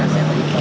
ya semua biasa